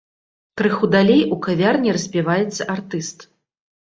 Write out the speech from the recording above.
Крыху далей у кавярні распяваецца артыст.